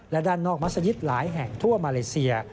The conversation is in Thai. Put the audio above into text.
และด้านนอกมัศยิตหลายแห่งทั่วมาเลเซีย